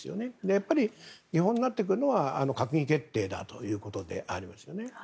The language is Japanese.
やはり見本になってくるのは閣議決定というのがありますよね。